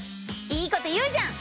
いいこと言うじゃん！